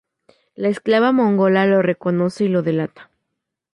La esclava mongola lo reconoce y lo delata.